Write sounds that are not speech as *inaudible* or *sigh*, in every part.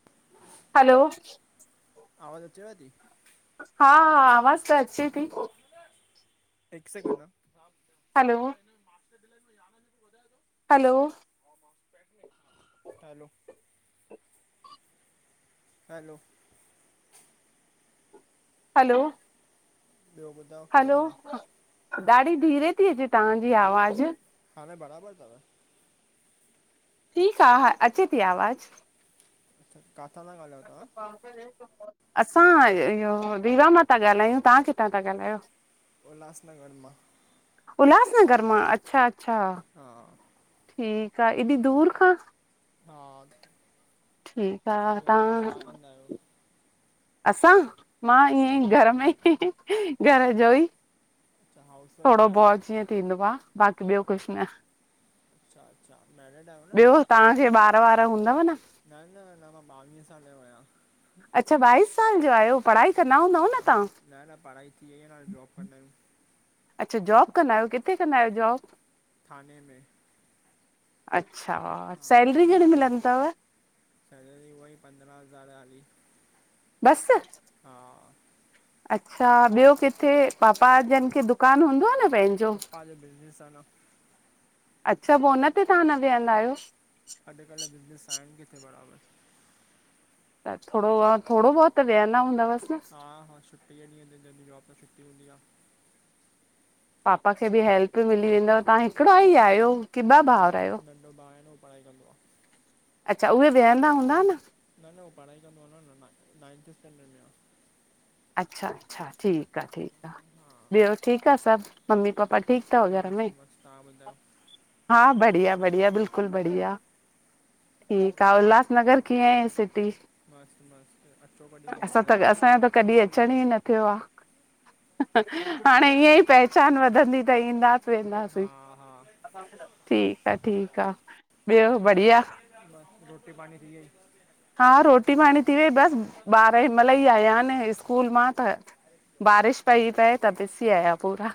*unintelligible* Hello आवाज़ु अचेव ती? हा-हा आवाज़ु त अचे थी। हिकु सेकेंडु हा hello hello hello hello hello ॿियो कुझु हैलो। हां। ॾाढी धीरे थी अचे तव्हांजी आवाज़ु? हाणे बराबर थव? ठीकु आ, हा अचे थी आवाज़ु। अच्छा काथां ता ॻाल्हयो तहां? असां इहो रीवा मां था ॻाल्हायूं। तहां किथां था ॻाल्हायो? उल्हासनगर मां। उल्हासनगर मां! अच्छा- अच्छा। हा ठीकु आ, एॾी दूर खां! हा ठीकु आ। ॿियो तहां छा कंदा आहियो? असां! मां हा ईअं ई घर में ई, घर जो ई। अच्छा हाउस वाइफ थोङो आहियो बहुत जीअं थींदो आ, बाक़ी ॿियो कुछु न। अच्छा अच्, छा मैरिड आयो न? तहांखे ॿार वार हूंदव न! न न अंञां मां ॿावीह साले जो आहियां। अच्छा ॿाईस साल जा आयो! पढ़ाई कंदा हूंदव न तहां? न न पढ़ाई थी वई आ, हाणे जॉब कंदा आहियूं। अच्छा जॉब कंदा आहियो, किथे कंदा आहियो जॉब? थाने में। अच्छा, हा सैलरी घणी मिलंदी थव? सैलरी हुअई पंद्रहं हज़ार हालि। बस! हा अच्छा, ॿियो किथे पापा जन खे दुकानु हूंदो न पंहिंजो? पपा जो बिज़नेस आ न। अच्छा पो हुन ते तहां न वियंदा आहियो? अॼुकल्ह बिज़नेस आहिनि किथे बराबरि। त थोङो, थोङोबहुत त विहंदा हूंदावसि न? हा हा छुट्टीअ ॾींहं तें जॾिं ऑफिस छुट्टी हूंदी आ। पापा खे बि हेल्प मिली वेंदव, तहां हिकिड़ा ई आहियो? की ॿ न भाउर आहियो नंढो भाउ आए न, हू पढ़ाई कंदो आ। अच्छा, उहे वेहंदा हूंदा न? न न उहो पढ़ाई कंदो आ न, नाइंथ स्टैंडर्ड में आ। अच्छा अच्छा, ठीकु आ -ठीकु आ, हा ॿियो ठीकु आ सभु? मम्मी पापा ठीक थव घर में? मस्तु मस्तु तव्हां ॿुधायो हा बढ़िया बढ़िया, बिल्कुलु बढ़िया ठीकु आ, उल्हास नगर कीअं आ इअ सिटी? मस्तु मस्तु, अचो कॾहिं असां घुमणु! त असांजो त कॾहिं अचण ई न थियो आ। अचो हाणे ईअं ई पहचान वधंदी त ईंदा हा वेंदासीं, हा ठीक आ- ठीकु आ, ॿियो बढ़िया? बस रोटी पाणी थी वई? हा रोटी पाणी थी वई, बस ॿार हेॾि मइल ई आया आहिन स्कूल मां त बारिश पई पए त पिस्सी आया पूरा,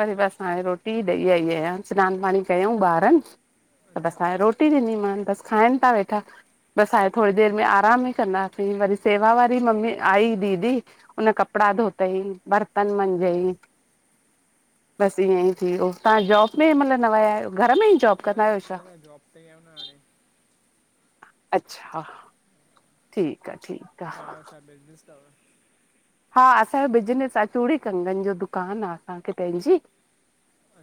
वरी बस अच्छा हाणे रोटी रोटी ॾईी आई आई आयांन, सनानु पाणी कयंउ ॿारनि त बस अच्छा हांणे रोटी टी ॾीनी मान बस खाइन ता वेठा। बस आहे थोड़ी देर में आराम ई कंदासीं वरी सेवा वारी ममी आई दीदी। हुन कपड़ा धोतई बर्तन मंझई। बस ईअं ई थी वियो तव्हां जॉब में हे मेहल न विया आहियो घर में ई जॉब न कंदा आहियो न छा न जॉब ते ही आ न हाणे। अच्छा ह ठीक आ ठीक। तव्हां जो छा बिज़नेस तव? हा असांजो बिजनस आ चूड़ी कंगन जो दुकान आ असांखे पंहिंजी।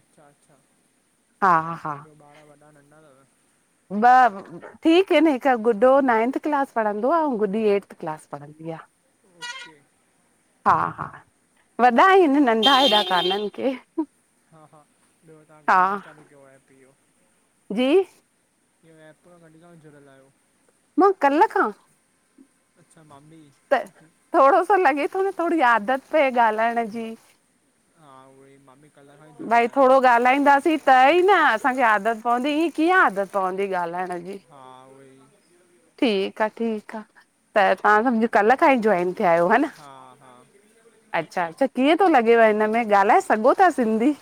अच्छा अच्छा हा ॿियो ॿार वॾा नंढा तव? बब ठीक आ न हिक गुॾो नाइंथ क्लास पढ़ंदो आ अउं गुॾी एड़थ क्लास पढ़ंदी आ। ओके हा हा वॾा आहिन नंढा हेॾा कानन के। हा हा ॿियो तव्हां हा कॾहिं खां चालू कयो एप इहो? जी इहो एप कॾहिं खां जुड़ियल आहियो? मां कल्ह खां अच्छा मां भी त थोड़ो सो लॻे थो न थोड़ी आदत पए ॻाल्हाएण जी। हा उहोई मां बि कल्ह खां ई जुड़ियल भई थोड़ो आहियां ॻाल्हाईंदासीं त ई न असांखे आदत पवंदी ईअं कीअं आदत पवंदी ॻाल्हाइण जी? हा उवइ ठीक आ ठीक आ त तव्हां सम्झ कल्ह खां ई जॉइन थिया आहियो ह न। हा हा अच्छा अच्छा कीअं तो लॻेव हिन में ॻाल्हाए सघो ता सिंधी?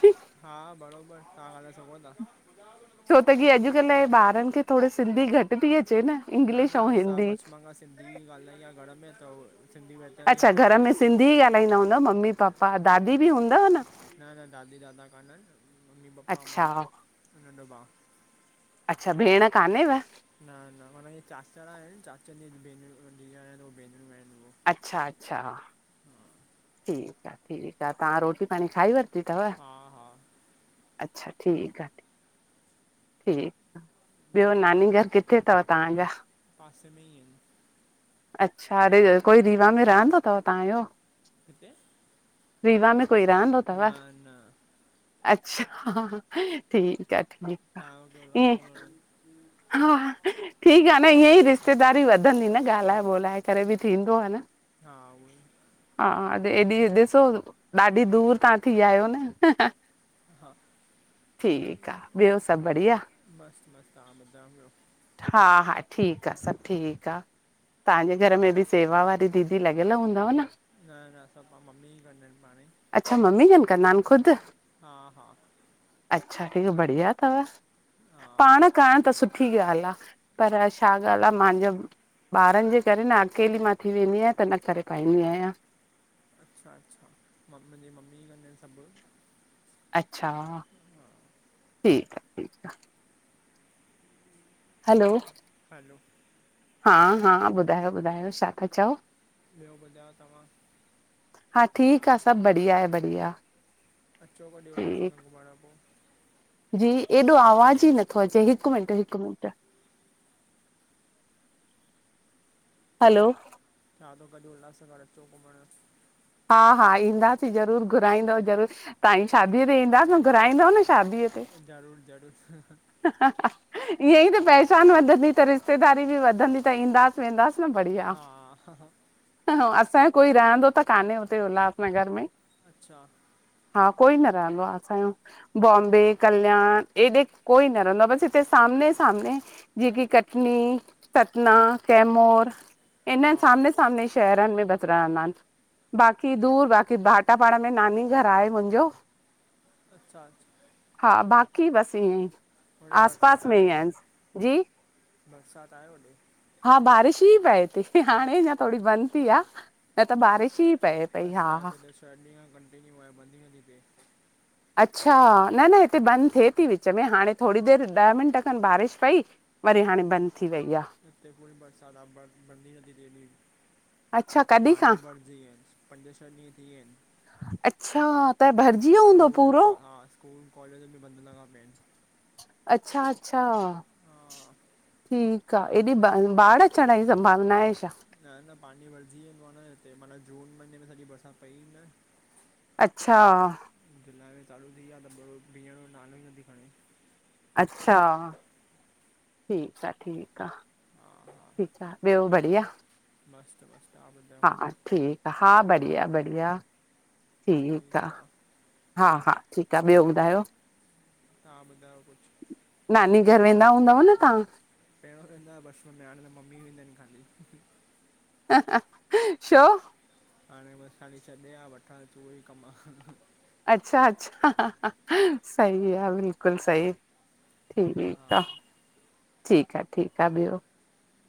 हा बरोबर तव्हां ॻाल्हाए सघो ता? छो त की अॼकल्ह जे ॿारन खे थोड़ी सिंधी घट थी अचे न। न न इंग्लिश ऐं असां हिंदी बचपन खां सिंधी ही ॻाल्हाई आए घर में त सिंधी वेतरी आहे अच्छा पूरी घर में सिंधी ॻाल्हाईंदा हूंदव मम्मी पापा दादी बि हूंदव न? न न दादी दादा कान अन मम्मी पपा मां अच्छा अउं नंढो भा। अच्छा भेण कान्हेव? न न माना इहे चाचरा आहिन चाचन जी भ धीअर भेनरूं आहिन उ अच्छा अच्छा ठीक आ ठीक आ तव्हां रोटी पाणी खाई वती तव? हा हा अच्छा ठीक आ ठीक ठीक ॿियो नानी घर किथे तव तव्हांजा? पास में ही अईन। अच्छा एॾे कोई रीवा में रहंदो तव तव्हांजो? किथे? रीवा में कोई रहंदो न अथव न अच्छा ठीक आ ठीक। *unintelligible* हा ठीक आ न ईअं ई रिश्तेदारी वधंदी न ॻाल्हाए ॿोलाए करे बि थींदो आ न। हा ऊहोई। हा एॾी, ॾिसो ॾाढी दूर तां थी आयो न। हा ठीक आ, ॿियो सभु बढिया? मस्त मस्त, तहा बुधां ब्यो? हा हा ठीक आ, सब् ठीक आ तहांजे घर में बि सेवा वारी दीदी लॻियल हुंदव न? न न सब कम मम्मी ई कंदियूं इनि पांण ई। अच्छा मम्मी जन कन्दा हिनि, खुदि? हा हा। अच्छा, ठीक बढ़िया तव हा पांण करणु त सुठी ॻाल्हि आ पर छा ॻाल्हि आ मांजो ॿारनि जे करे न अकेली मां थी वेंदी आहियां त न करे पाईंदी आहियां। अच्छा अच्छा, म मुंजी मम्मी ई कंदियूं इनि सभु। अच्छा ठीक आ ठीक आ हलो हलो हा हा ॿुधायो ॿुधायो छा था चओ? ॿियो ॿुधायो तव्हां? हा ठीक आ, सभ बढ़िया ए बढ़िया। अचो कॾहिं ठीकु उल्हासनगर घुमणं पो जी एॾो आवाज़ ई नथो अचे हिकु मिंट हिकु मिंट हलो चवां तो, कड्डी उल्हासनगर अचो घुमणं। हा हा ईंदासीं ज़रूर घुराईंदव ज़रूर तहांजी शादीअ ते ईंदास न, घुराईंदव न शादीअ ते? ज़रूर ज़रूर। ईह्यें ई त पहचान वधंदी त रिश्तेदारी बि वधंदी त ईंदास वेंदास न हा हा बढ़िया। असांयो कोई रहंदो त कान्हे उते उल्हासनगर में अच्छा? हा कोई न रहंदो आ असांयो बॉम्बे कल्याण एॾे कोई न रहंदो आ बसि हिते सामने- सामने जींअं की कटनी, सतना, कैमोर इन हा सामने स सामने शहरनि में बस रहंदा इनि। बाकी दूर बाकी भाटापाणा में नानी घर आहे मुंजो अच्छा अच्छ हा बाक़ी बसि ईंयंई। होॾे आस पास बरसाति में ही आहे आऐन स जी बरसाति आहे होॾे हा बारिश ई पए ती, हाणे अंञां थोड़ी बंद थी आ। त त बारिश ई पए पई हा हा। शह ॾींंह खां कंटिन्यू आहे बंदि ई न थी थे। अच्छा, न न हिते बंदि थिए थी विच में हाणे थोड़ी देरि ॾह मिंट खनि बारिश पई वरी हाणे बंद थी वई आ। हिते कुल बरसात आ बंद बंद ई नथी थे ॿी अच्छा कॾहिं पांणी खां भरजी या इनि पंज छह ॾींहं थी या इनि। अच्छा! त भरजी विओ हूंदोव स्कूल पूरो? को हा स्कूल कॉलेज भी बंदि लॻा पिया आहिन। अच्छा- अच्छा! हा ठीक आ, हेॾे ब बाढ अचण जी संभावना आहे छा? न न पाणी भरजी वेंदो आ न हिते, माना जून महीने में सॼी बरसात पई ही न। अच्छा! जुलाई में चालू थी आ, त बरो भीयण जो नालो ई नथी खणे। अच्छा! ठीक आ, ठीक आ। हा ठीक आ, ॿियो बढ़िया? मस्-त मस्त, ता ॿुधायो? ठीक आ, हा बढ़िया बढ़िया। ठीक आ, ठीकु आहे हा- हा ठीक आ, ॿियो ॿुधायो? तहां ॿुधायो कुछ? नानी घर वेंदा हूंदव न तहां? पहिरोंंदो वेंदा हु आ सीं बस में हाणे त मम्मी ईेंदा आहिनि ख़ाली। शो? हाणे बसि हाली छॾे आ, वठणु अच उ ई कम आ। अच्छा अचछा, सही आ, बिल्कुल सही। हा ठीक आ। ठीक आ ठीक आ, ॿयो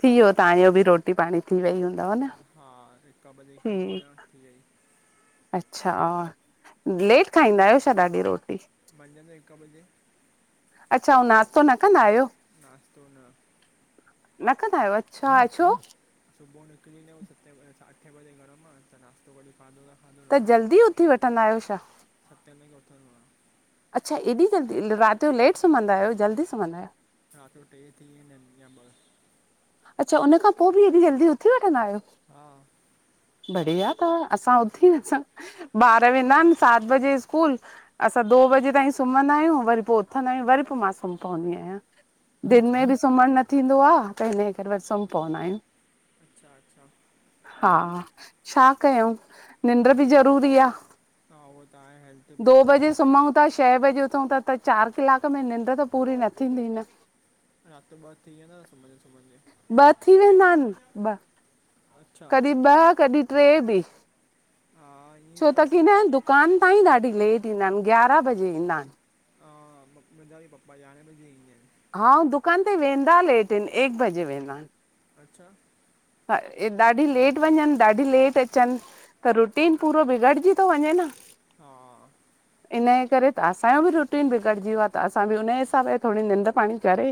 थी वियो, तहांजो बि रोटी पाणी थी वई हूंदी। हा हिक ॿजे खाईंदो आहियां, थी वई। अच्छा! लेट खाईंदा आहियो छा ॾाढी रोटी? मंझ जो हिक बजे! अच्छा, अंउ नाास्तो न कंदा आहियो? नास्तो न। न कंदा आहियो, अच्छा छो? सुबुह निकिरी वेंदा आहियूं सते -अठे बजे घर मां त नाश्तो कॾहिं खाधो थ त जल्दी उथी वठंदा आहियो छा? सतें तांई उथदो आंयां। अच्छा एॾी जल्दी रात जो लेट सुम्हंदा आहियो जल्दी सुम्हंदा आहियो? राति जो टे थी वेंदा आहिन या ॿ। अच्छा उनखां पो बि एॾी जल्दी उथी वठंदा आहियो! हा बढ़िया तव, असां उथी न सघूं। ॿार वेंदा आन सात बजे स्कूल असां दो बजे ताईं सुम्हंदा आहियूं, वरी पो उथंदा आहियूं, वरी पो मां सुम्ही पवंदी आहियां। दिन अच्छा में बि सुम्हण न थींदो आ, त हिनजे करे सुम्ही पवंदा आहिन। अच्छा अच्छा! हा छा कयंउ निंड्र् बि ज़रूरी आ। हा उहो त आहे हेल्थ दो बजे सुमंउ ता छंए बजे उथंउ ता त चारि कलाक में निंड्र् त पूरी न थींदी न। राति ॿ थी वेंयादा सुम सुम्हन ॿ थी वेंदा आहिनि ॿ *unintelligible* कॾहिं ॿ कॾहिं ट्रे बि। हा ईअं ई छो त आहे की सिं न दुकान ताईं ॾाढी लेट ईंदा आहिन ग्यारहं बजे ईंदा आहिन। हा मुंहिंजा बि पपा यारहें बजे ई आहिन। हा दुकान ते वेंदा लेट अन एक बजे वेंदा अन। अच्छा ह ॾाढी लेट वनयन ॾाढी लेट अचन। त रुटीन पूरो बिगड़जी थो वञे न। हा इनये करे त असांयो बि रुटीन बिगड़जी वियो आ त असां बि हुननजे हिसाब सां थोड़ी निंड पाणी करे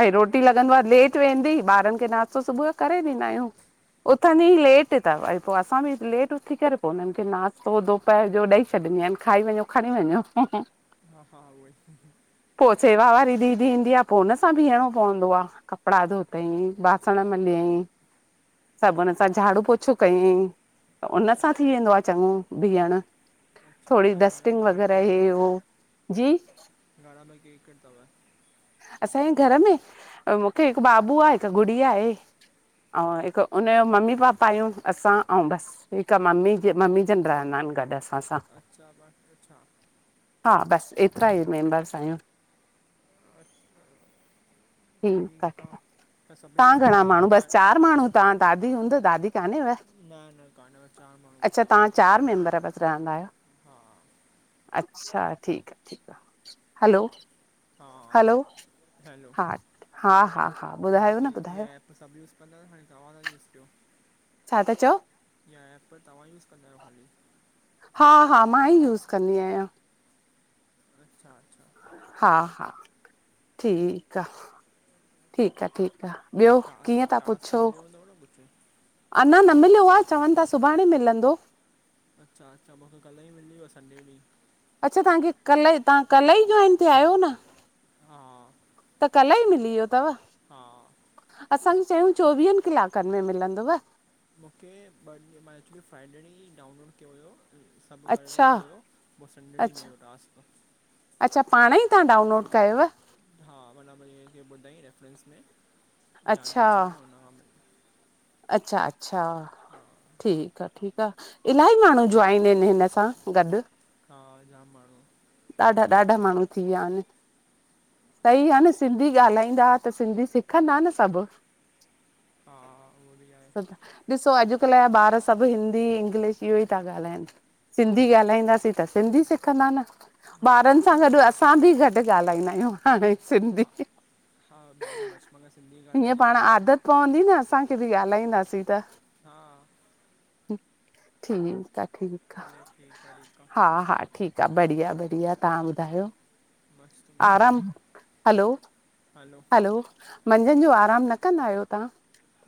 भई रोटी लॻंदो आए लेट वेंदी ॿारन खे नाश्तो सुबुह यो करे ॾींदा आहियूं। उथंन ही लेट त वरी पो असां बि लेट उथी करे पो उनन खे नासतो पहर जो ॾई छॾंदी आहिन खाई वञो खणी वञो। हा हा उ ई पो सेवा वारी दीदी ईंदी आ पो हुन सां बीहणो पवंदो आ। कपड़ा धोतई बासण म लयई सभन सां झाड़ू पोछो कयई त अच्छा उसां थी वेंदो आ चॻो बीहण। अच्छा थोड़ी तव्हांजे घर डस्टिंग में केरु वग़ैरह केरु हे आहे उ जी। घर में केरु केरु असांये घर में मूंखे हिकु बाबू आ हिक गुड़िया आहे। अउं हिक हुनयो मम्मी पापा आहियूं असां ऐं बस। हिक मम्मी जे मम्मी जन रहंदा आहिन गॾ असां सां। अच्छा बस अच्छा हा बस एतिरा ई मेंबर्स आहियूं। बस ठीकु ठीक आ आहे तां सब यूस कंदा कार हर माण्हू तव्हां दादी हूंदो दादी कान्हे व? न न कान्व चार माण्हू असां। तव्हां चार मेंबर बस रहंदा आहियो? हा अच्छा ठीक आ ठीक आ हलो। हा हलो हलो हा हा हा हा ॿुधायो न ॿुधायो। त सब यूज़ कंदा आयो तव्हांजा घर वारा यूज़ कयो। छा ता चओ? इहा एप तव्हां यूज़ कंदा आहियो ख़ाली? हा हा मां ई यूज़ कंदी आहियां। अच्छा अच्छा हा हा ठीक आ ठीक आ ठीक आ। ॿियो कीअं टास्क त टास्क पुछो। मिलियो हूंदव न कुझु अञा न मिलयो आ चवन त सुभाणे मिलंदो। अच्छा अच्छा मूंखे कल्ह ई मिली वियो संडे ॾि। अच्छा तव्हांखे कल्ह ई तव्हां कल्ह ई जॉइन थ्या आहियो न? हा त कल ई मिली वियो तव। हा असांखे चयूं चोवियन कलाकन में मिलंदव। मूंखे ॿ ॾीं फाईनली डाउनलोड कयो हुयो। सब करे अच्छा रखियो हुयो पो ॾींहुं अच्छा मिलयो टास्क। अच्छा पाणई तव्हां डाउनलोड कयुव। हा वॾा भाई खे ॿुधाई रेफरेंस में जान अच्छा पहचान में हुन खां बि अच्छा अच्छा हा ठीकु आ ठीकु आ इलाही माण्हू ज्वाइन आहिनि हिन सां गॾु हा, जाम माण्हू ॾाढा ॾाढा माण्हू थी विया इन। सही आ न सिंधी ॻाल्हाईंदा त सिंधी सिखंदा न सभ हा आ आ उहो बि आहे। ॾिसो अॼुकल्ह जा ॿार सभु हिंदी इंग्लिश इहो ई ता ॻाल्हाइनि। सिंधी ॻाल्हाईंदासीं त सिंधी सिखंदा न हा ॿारनि सां गॾु असां बि घट ॻाल्हाईंदा आहियूं। हाणे सिंधी हा हा मां त बचपन खां सिंधी *inaudible* हीअं ॻाल्हाई पाण आहे आदत पवंदी न असांखे बि ॻाल्हाईंदासीं त हां ठीकु आ ठीकु आ हले ठीकु आहे ठीकु हा आहे हा ठीक बढ़िया बढ़िया तहां ॿुधायो मस्तु आराम हलो हेलो हेलो मंझन जो आरामु न कंदा आहियो तहां?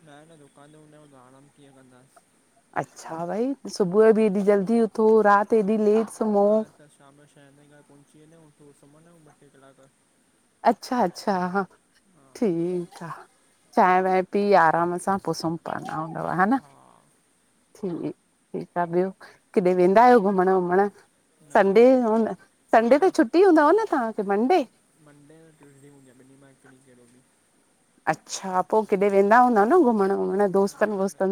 छा ऐं न दुकान ते हुंदा आहयूं त आराम कीअं कंदास? अच्छा भई सुबुह बि एॾी जल्दी उथो राति एॾी लेट सुम्हो हा त शाम जो छहे ताइ घर पहुची वेंदाआहयूं पो सुमंदा आहयूं ब टे कलाक अचछा अच्छा ह हा ठीकु आ चांय वांय पी आराम सां पोइ सुम पवंदा हूंदव हा न ठ ठीकु आ ॿियो किॾे वेंदा आहियो घुमण वुमण? न संडे न आ संडे मंडे त छुटी हूंदव न तहांखे मंडे मंडे ऐं ट्यूज़डे हूंदी आ ॿिनी मां हिकु ॾिह कहिड़ो बि अच्छा पो किॾे वेंदा हूंदव न घुमण वुमण न न दोस्तन हाणे वोस्तन